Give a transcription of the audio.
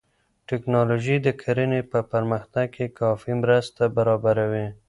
ټکنالوژي د کرنې په پرمختګ کې کافي مرسته برابروي.